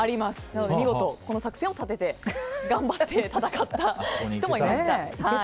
なので見事、この作戦を立てて頑張って戦った人もいました。